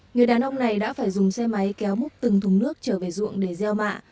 người đàn ông này đã phải dùng xe máy kéo múc từng thùng nước trở về ruộng để gieo mạ